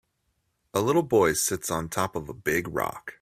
a little boy sitts on top of a big rock